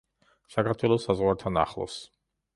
საქართველოს საზღვართან ახლოს.